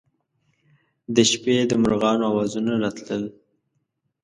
د شپې د مرغانو اوازونه راتلل.